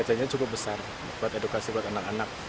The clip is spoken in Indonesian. dan cukup besar buat edukasi buat anak anak